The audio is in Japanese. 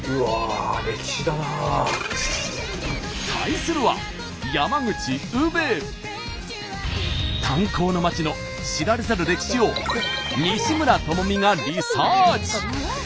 対するは炭鉱の街の知られざる歴史を西村知美がリサーチ！